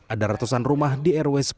ada ratusan rumah di rw sepuluh